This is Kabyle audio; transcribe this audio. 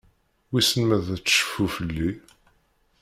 Wissen ma ad tecfu fell-i?